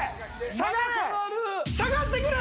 下がってくれ！